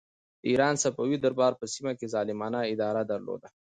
د ایران صفوي دربار په سیمه کې ظالمانه اداره درلوده.